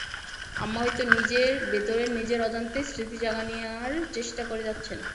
আম্মা হয়তো নিজের ভেতরে নিজের অজান্তেই স্মৃতি জাগানিয়ার চেষ্টা করে যাচ্ছেন।